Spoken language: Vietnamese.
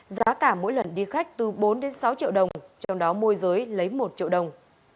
giá cả mỗi lần đi khách từ bốn sáu triệu đồng trong đó môi giới lấy một triệu đồng